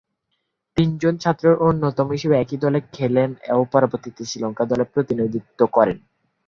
তিনজন ছাত্রের অন্যতম হিসেবে একই দলে খেলেন ও পরবর্তীতে শ্রীলঙ্কা দলে প্রতিনিধিত্ব করেন।